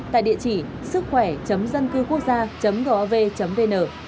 tại địa chỉ sứckhoe dâncưquốcgia gov vn